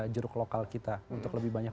jeruk lokal kita untuk lebih banyak